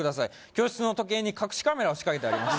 教室の時計に隠しカメラを仕掛けてあります